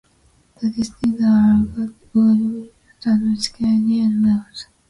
The districts are: Clintwood, Ervinton, Sandlick, Kenady, and Willis.